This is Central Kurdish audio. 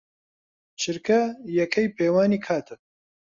چرکە یەکەی پێوانی کاتە.